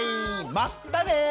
まったね！